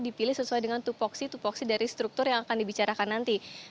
dipilih sesuai dengan tupoksi tupoksi dari struktur yang akan dibicarakan nanti